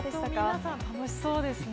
皆さん楽しそうですね。